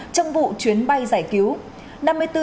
trong vụ chuyến bay giải cứu